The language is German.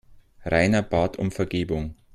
Rainer bat um Vergebung.